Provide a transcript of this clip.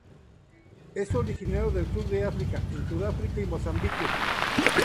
Es originario del sur de África en Sudáfrica y Mozambique.